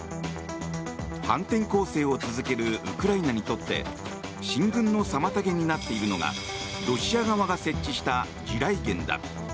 反転攻勢を続けるウクライナにとって親軍の妨げになっているのがロシア側が設置した地雷原だ。